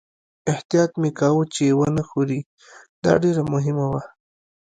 احتیاط مې کاوه چې و نه ښوري، دا ډېره مهمه وه.